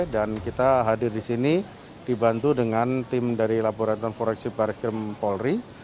dan kita hadir di sini dibantu dengan tim dari laboratorium forensik mabes polri